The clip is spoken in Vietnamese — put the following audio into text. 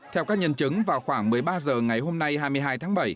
theo các nhân chứng vào khoảng một mươi ba h ngày hôm nay hai mươi hai tháng bảy